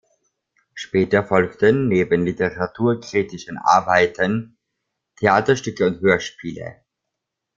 Später folgten, neben literaturkritischen Arbeiten, Theaterstücke und Hörspiele.